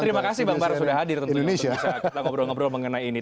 terima kasih bang bara sudah hadir tentunya untuk bisa kita ngobrol ngobrol mengenai ini